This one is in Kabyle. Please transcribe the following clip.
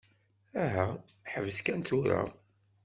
Aha, ḥbes kan tura.